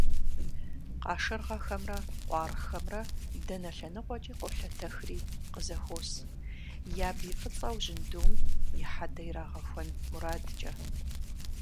Къашыргъэхэмрэ къуаргъхэмрэ дэнэ лъэныкъуэкӀи къолъэтэхри къызэхуос, я бий фӀыцӀэу жьындум и хьэдэ ирагъэхуэн мурадкӀэ.